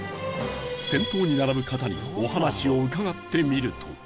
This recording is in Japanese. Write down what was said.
先頭に並ぶ方にお話を伺ってみると